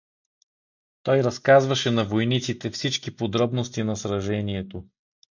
Той разказваше на войниците всички подробности на сражението.